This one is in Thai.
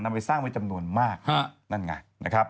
ไปสร้างไว้จำนวนมากนั่นไงนะครับ